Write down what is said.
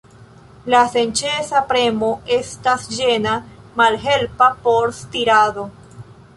La senĉesa premo estas ĝena, malhelpa por stirado.